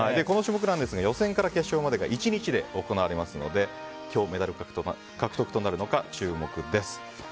この種目なんですが予選から決勝までが１日で行われますので今日、メダル獲得となるのか注目です。